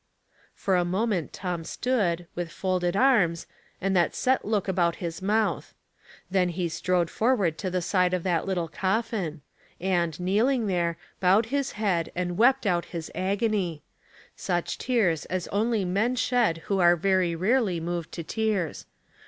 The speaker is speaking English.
For a moment Tom stood, with folded arms, and that set look about his mouth — then he strode forward to the side of that little coffin, and kneeling there, bowed his head and wept out his agony — such tears as only men shed vvlio are very rarely moved to tears.